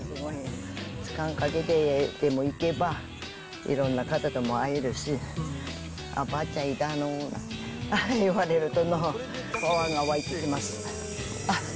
時間かけてでも行けば、いろんな方とも会えるし、ばあちゃんいたの？って言われると、パワーが湧いてきます。